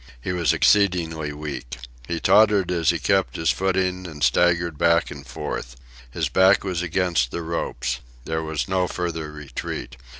He was exceedingly weak. He tottered as he kept his footing, and staggered back and forth. His back was against the ropes. There was no further retreat.